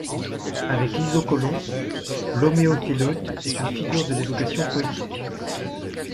Avec l'isocolon, l'homéotéleute est une figure de l'évocation poétique.